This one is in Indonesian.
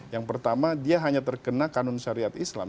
yang pertama dia hanya terkena kanun syariat islam